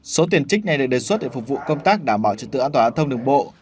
số tiền trích này được đề xuất để phục vụ công tác đảm bảo trật tự an toàn thông đường bộ